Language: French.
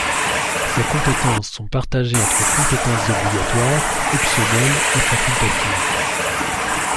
Ses compétences sont partagées entre compétences obligatoires, optionnelles et facultatives.